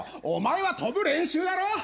お前は飛ぶ練習だろ。